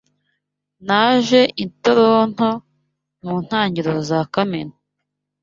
Naje i Toronto mu ntangiriro za Kamena.